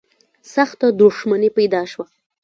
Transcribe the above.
سخته دښمني پیدا شوه